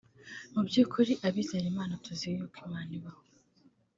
Mu byukuri abizera Imana tuzi y’uko Imana ibaho